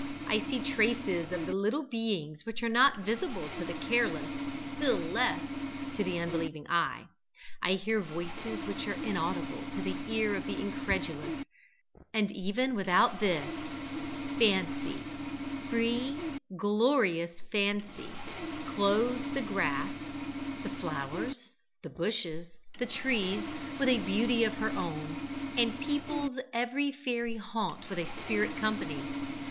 I see traces of the little beings which are not visible to the careless, still less to the unbelieving eye. I hear voices which are inaudible to the ear of the incredulous; and even without this, Fancy free, glorious Fancy clothes the grass, the flowers, the bushes, the trees, with a beauty of her own, and peoples every fairy haunt with a spirit company.